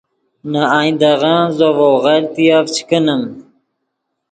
نے آئندغن زو ڤؤ غلطیف چے کینیم